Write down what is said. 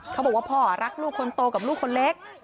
เขาบอกว่าพ่อรักลูกคนโตกับลูกคนเล็ก